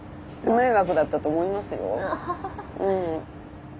迷惑だったと思いますようん。